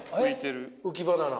浮きバナナ。